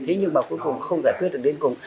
thế nhưng mà cuối cùng không giải quyết được đến cùng